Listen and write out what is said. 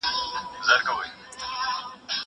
زه پرون مينه څرګنده کړه؟!